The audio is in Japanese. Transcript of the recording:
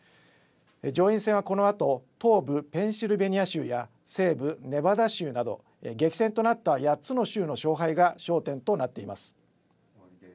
上院戦はこのあと東部ペンシルベニア州や西部ネバダ州など激戦となった８つの州の勝敗が焦点となっています。